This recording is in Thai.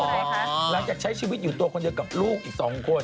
หลังจากใช้ชีวิตอยู่ตัวคนเดียวกับลูกอีก๒คน